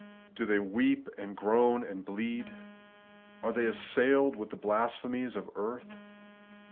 Do they weep, and groan, and bleed ? Are they assailed with the blasphemies of earth